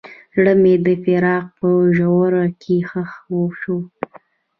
زړه مې د فراق په ژوره کې ښخ شو.